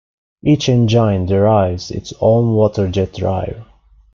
Each engine drives its own water jet drive.